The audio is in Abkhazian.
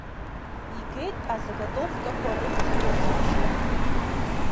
Игеит азаготовкақәа рылзхуаз ибжьы.